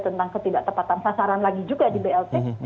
tentang ketidaktepatan sasaran lagi juga di blt